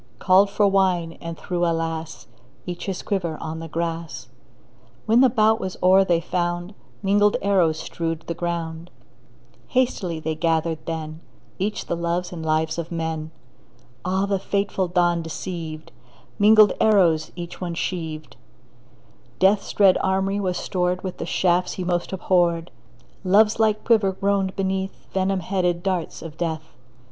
Called for wine, and threw — alas! — Each his quiver on the grass. When the bout was o'er they found Mingled arrows strewed the ground. Hastily they gathered then Each the loves and lives of men. Ah, the fateful dawn deceived! Mingled arrows each one sheaved; Death's dread armoury was stored With the shafts he most abhorred; Love's light quiver groaned beneath Venom headed darts of Death.